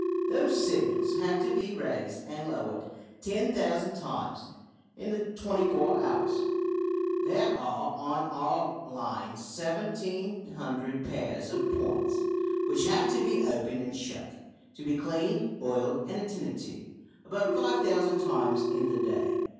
Those signals have to be raised and lowered 10,000 times in the twenty four hours. There are on our line 1700 pairs of points, which have to be opened and shut, to be cleaned, oiled, and attended to, above 5000 times in the day.